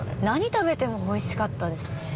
何食べてもオイシかったですね。